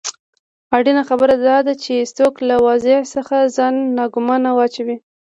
اړینه خبره داده چې څوک له اوضاع څخه ځان ناګومانه واچوي.